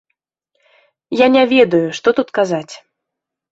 Я не ведаю, што тут казаць.